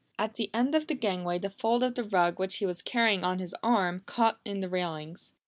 At the end of the gangway the fold of the rug which he was carrying on his arm, caught in the railings.